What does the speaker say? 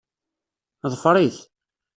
Ḍfer-it.